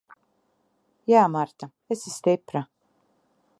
Jā, Marta. Esi stipra.